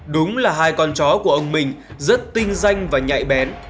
đúng là hai con chó của ông mình rất tinh danh và nhạy bén